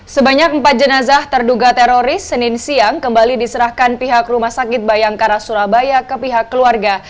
sebanyak empat jenazah terduga teroris senin siang kembali diserahkan pihak rumah sakit bayangkara surabaya ke pihak keluarga